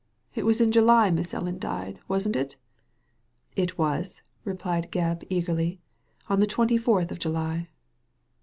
It was in July Miss Ellen died, wasn't it ?" "It was/* replied Gebb, eagerly, on the twenty fourth of July."